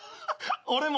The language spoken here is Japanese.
俺も。